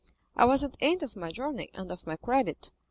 I was at the end of my journey and of my credit.